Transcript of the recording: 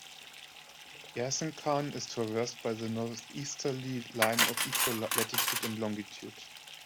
Erzincan is traversed by the northeasterly line of equal latitude and longitude.